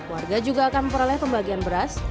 warga juga akan memperoleh pembagian beras